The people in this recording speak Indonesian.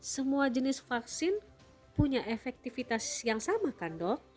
semua jenis vaksin punya efektivitas yang sama kan dok